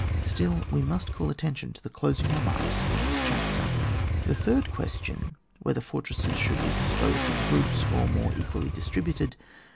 Still we must call attention to the closing remarks in this chapter. The third question — Whether fortresses should be disposed in groups, or more equally distributed